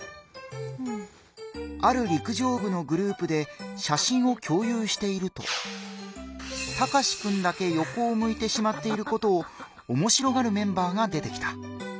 ある陸上部のグループで写真を共有しているとタカシくんだけよこを向いてしまっていることをおもしろがるメンバーが出てきた。